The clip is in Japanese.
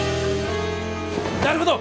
なるほど！